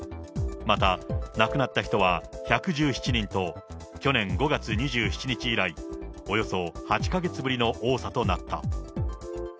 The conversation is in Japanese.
また、亡くなった人は１１７人と、去年５月２７日以来、およそ８か月ぶりの多さとなった。